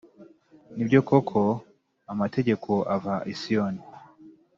Ni byo koko, amategeko ava i Siyoni,